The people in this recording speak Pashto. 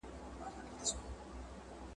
له جذبې ډکه ناره وکړه.